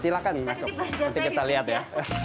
silahkan masuk nanti kita lihat ya